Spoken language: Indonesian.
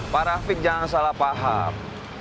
pak rafiq jangan salah paham